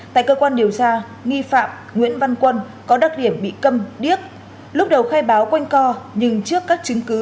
tại cơ quan điều tra nghi phạm nguyễn văn quân có đặc điểm bị cầm điếc lúc đầu khai báo quanh co nhưng trước các chứng cứ